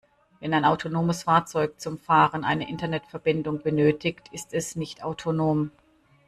Wenn ein autonomes Fahrzeug zum Fahren eine Internetverbindung benötigt, ist es nicht autonom.